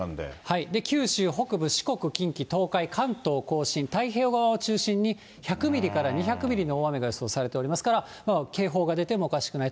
九州北部、四国、近畿、東海、関東甲信、太平洋側を中心に１００ミリから２００ミリの大雨が予想されておりますから、警報が出てもおかしくない。